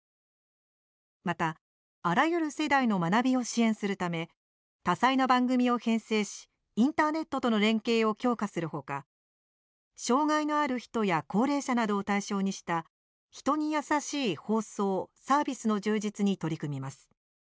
また、あらゆる世代の学びを支援するため多彩な番組を編成しインターネットとの連携を強化する他障害のある人や高齢者などを対象にした「人にやさしい放送・サービス」の充実に取り組みます。